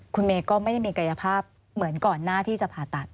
คุณเมย์ก็ไม่ได้มีกายภาพเหมือนก่อนหน้าที่จะผ่าตัด